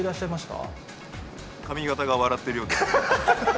髪形が笑ってるようです。